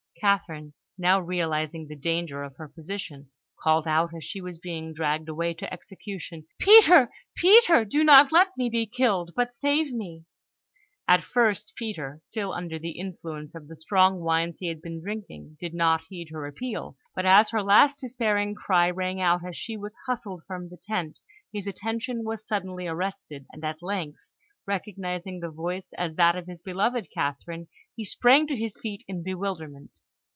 Catherine, now realising the danger of her position, called out as she was being dragged away to execution, "Peter! Peter! Do not let me be killed, but save me!" At first, Peter, still under the influence of the strong wines he had been drinking, did not heed her appeal, but as her last despairing cry rang out as she was hustled from the tent, his attention was suddenly arrested, and at length, recognising the voice as that of his beloved Catherine, he sprang to his feet in bewilderment.